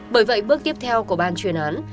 bởi vậy bước tiếp theo của ban chuyển án